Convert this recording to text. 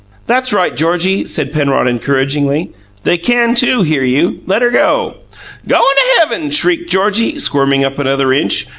"That's right, Georgie," said Penrod encouragingly. "They can, too, hear you. Let her go!" "Going to heaven!" shrieked Georgie, squirming up another inch.